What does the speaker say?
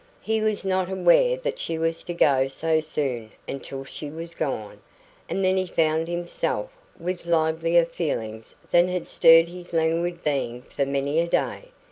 He was not aware that she was to go so soon until she was gone; and then he found himself with livelier feelings than had stirred his languid being for many a day.